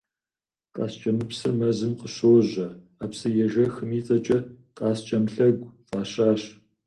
Къаскӏэмыпсыр мэзым къыщожьэ, а псыежэхым и цӏэкӏэ «Къаскӏэм лъэгу» фӏащащ.